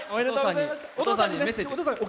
お父さんにメッセージ。